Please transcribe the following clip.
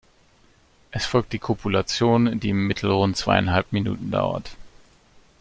Es folgt die Kopulation, die im Mittel rund zweieinhalb Minuten dauert.